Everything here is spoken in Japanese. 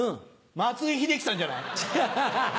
松井秀喜さんじゃない？